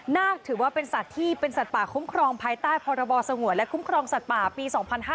นาคถือว่าเป็นสัตว์ที่เป็นสัตว์ป่าคุ้มครองภายใต้พรบสงวนและคุ้มครองสัตว์ป่าปี๒๕๕๙